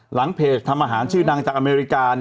หลังเพจทำอาหารชื่อดังจากอเมริกา